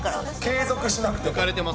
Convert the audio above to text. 継続しなくても。